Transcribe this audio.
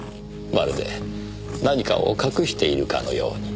まるで何かを隠しているかのように。